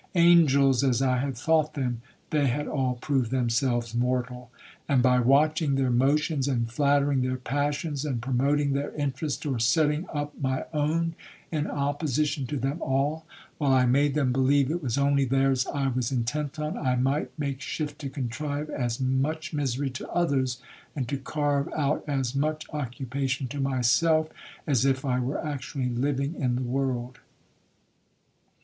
Angels, as I had thought them, they had all proved themselves mortal; and, by watching their motions, and flattering their passions, and promoting their interest, or setting up my own in opposition to them all, while I made them believe it was only theirs I was intent on, I might make shift to contrive as much misery to others, and to carve out as much occupation to myself, as if I were actually living in the world.